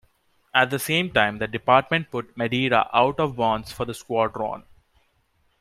At the same time the department put Madeira out of bounds for the squadron.